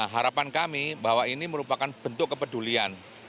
harapan kami bahwa ini merupakan bentuk kepedulian